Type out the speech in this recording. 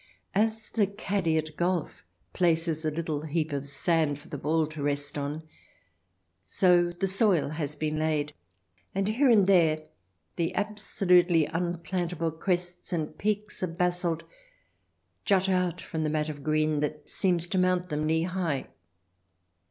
As the caddie at golf places a little heap of sand for the ball to rest on, so the soil has been laid, and here and there the absolutely unplantable crests and peaks of basalt jut out from the mat of green that seems to mount them knee high.